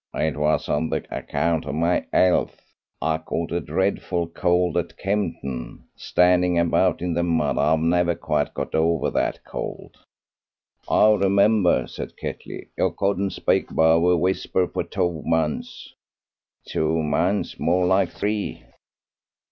"It was on account of my 'ealth. I caught a dreadful cold at Kempton, standing about in the mud. I've never quite got over that cold." "I remember," said Ketley; "you couldn't speak above a whisper for two months." "Two months! more like three."